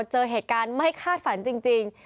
เจอเหตุการณ์ไม่คาดฝันจริง